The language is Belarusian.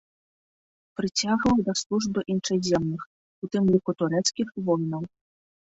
Прыцягваў да службы іншаземных, у тым ліку турэцкіх, воінаў.